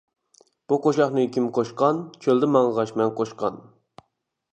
بۇ قوشاقنى كىم قوشقان، چۆلدە ماڭغاچ مەن قوشقان.